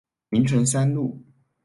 明誠三路